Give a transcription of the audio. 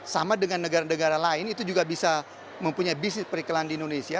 sama dengan negara negara lain itu juga bisa mempunyai bisnis periklan di indonesia